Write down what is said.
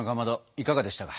いかがでしたか？